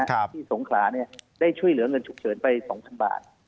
ที่สงขลาเนี่ยได้ช่วยเหลือเงินฉุกเฉินไปสองพันบาท